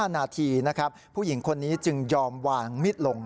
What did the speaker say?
๕นาทีนะครับผู้หญิงคนนี้จึงยอมวางมิดลง